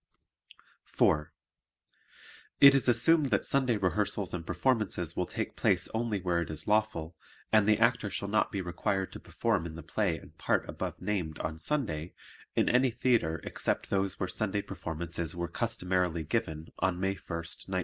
(4) It is assumed that Sunday rehearsals and performances will take place only where it is lawful, and the Actor shall not be required to perform in the play and part above named on Sunday in any theatre except those where Sunday performances were customarily given on May 1, 1924.